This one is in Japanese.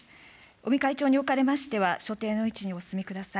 尾身会長におかれましては、所定の位置にお進みください。